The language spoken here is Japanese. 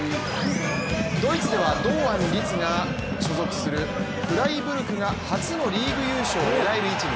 ドイツでは堂安律が所属するフライブルクが初のリーグ優勝を狙える位置に。